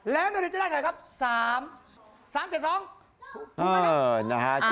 แล้วนักเรียนจะได้ไหนครับ๓๓๗๒